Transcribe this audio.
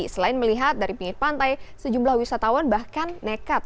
selain melihat dari pinggir pantai sejumlah wisatawan bahkan nekat